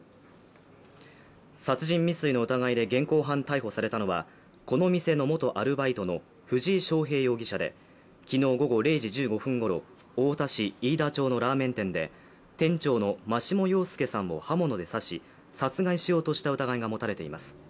殺人未遂の疑いで現行犯逮捕されたのはこの店の元アルバイトの藤井翔平容疑者で昨日午後０時１５分ごろ、太田市飯田町のラーメン店で店長の真下陽介さんを刃物で刺し殺害しようとした疑いが持たれています。